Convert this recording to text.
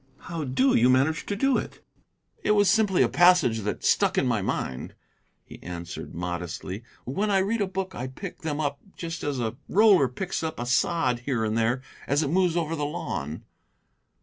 "How do you manage to do it?" "It was simply a passage that stuck in my mind," he answered modestly; "when I read a book I pick them up just as a roller picks up a sod here and there as it moves over the lawn."